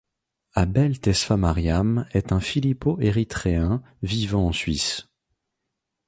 Abel Tesfamariam est un philippo-érythréen vivant en Suisse.